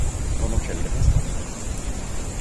Pendant qu’elles grincent entre elles